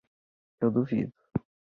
Eu duvido